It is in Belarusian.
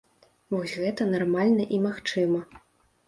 Вось гэта нармальна і магчыма.